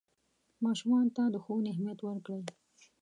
ماشومانو ته د ښوونې اهمیت ورکړئ.